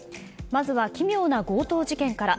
まずは奇妙な強盗事件から。